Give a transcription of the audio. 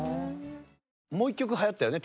もう一曲流行ったよね？